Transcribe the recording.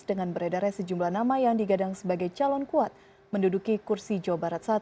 dengan beredarnya sejumlah nama yang digadang sebagai calon kuat menduduki kursi jawa barat satu